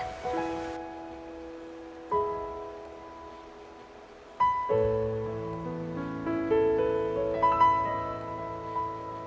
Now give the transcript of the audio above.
ที่ได้เงินเพื่อจะเก็บเงินมาสร้างบ้านให้ดีกว่า